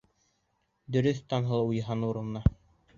Дөрөҫ, Таңһылыу Йыһаннуровна!